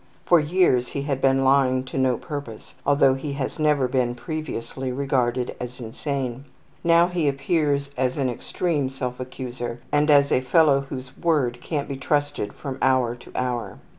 For years he has been lying to no purpose, although he has never been previously regarded as insane. Now he appears as an extreme self accuser and as a fellow whose word can't be trusted from hour to hour.